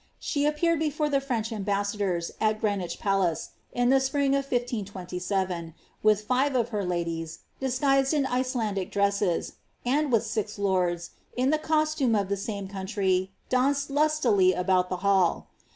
She appeared before the French ambassadon, il Greenwich Palace, in the spring of 1527, with five of her ladies, di^ guised in Icelandic dresses, and with six lords, in the costume of the same country, ^ daunced lustily about the hall.